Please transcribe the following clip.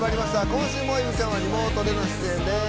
今週も、いくちゃんはリモートでの出演です。